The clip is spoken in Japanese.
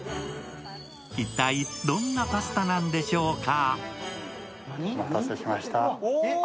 一体どんなパスタなんでしょうか？